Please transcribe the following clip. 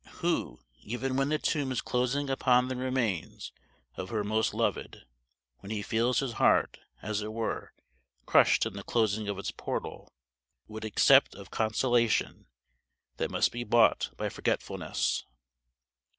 Who, even when the tomb is closing upon the remains of her he most loved, when he feels his heart, as it were, crushed in the closing of its portal, would accept of consolation that must be bought by forgetfulness?